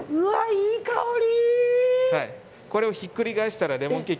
いい香り！